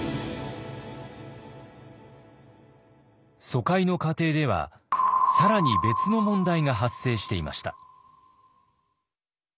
疎開の過程では更に別の問題が発生していました。